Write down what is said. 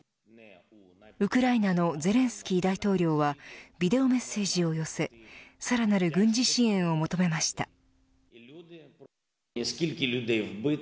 ウクライナのゼレンスキー大統領はビデオメッセージを寄せさらなる軍事支援を求めました。